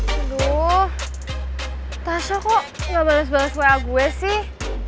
aduh tasha kok gak bales bales wa gue sih